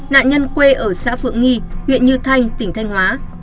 nạn nhân quê ở xã phượng nghi huyện như thanh tỉnh thanh hóa